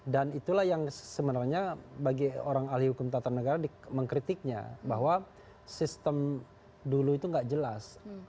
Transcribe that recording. dan itulah yang sebenarnya bagi orang alih hukum tata negara mengkritiknya bahwa sistem dulu itu gak jelas